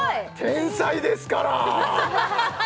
天才ですから！